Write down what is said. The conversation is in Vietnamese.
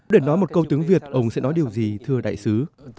để nói một câu tiếng việt ông sẽ nói điều gì thưa đại sứ